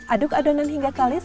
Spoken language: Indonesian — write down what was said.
aduk adonan hingga kalis